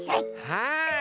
はい！